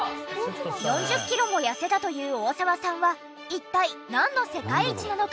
４０キロも痩せたという大澤さんは一体なんの世界一なのか？